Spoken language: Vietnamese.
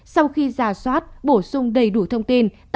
sau khi giả soát bổ sung đầy đủ thông tin